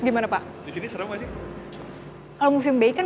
nggak ada yang neng